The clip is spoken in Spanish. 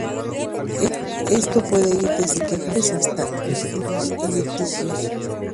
Esto puede ir desde quejas simples hasta litigios.